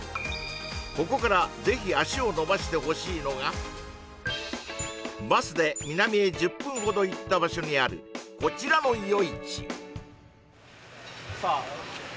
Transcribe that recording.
ここからぜひ足をのばしてほしいのがバスで南へ１０分ほど行った場所にあるこちらの夜市さあ